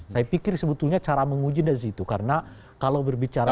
saya pikir sebetulnya cara menguji dari situ karena kalau berbicara